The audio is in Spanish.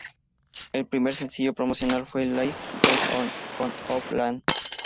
El primer sencillo promocional fue "Life Goes On" con Oh Land.